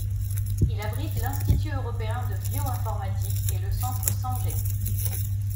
Il abrite l'Institut européen de bio-informatique et le centre Sanger.